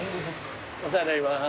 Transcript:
お世話になります。